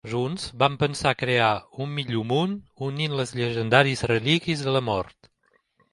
Junts van pensar a crear un millor món, unint les llegendàries Relíquies de la Mort.